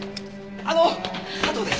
あの佐藤です。